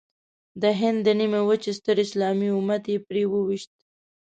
د هند د نیمې وچې ستر اسلامي امت یې پرې وويشت.